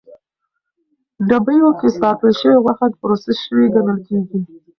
ډبیو کې ساتل شوې غوښه پروسس شوې ګڼل کېږي.